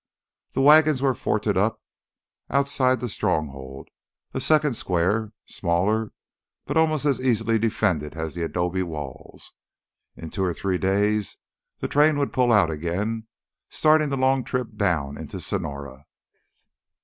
The wagons were forted up outside the Stronghold, a second square, smaller but almost as easily defended as the adobe walls. In two or three days the train would pull out again, starting the long trip down into Sonora.